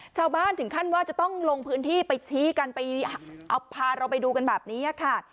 ชาวบ้านถึงขั้นว่าจะต้องลงพื้นที่ไปชี้กันไปเอาพาเราไปดูกันแบบนี้ค่ะ